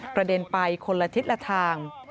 เด็นไปคนละทิศละทาง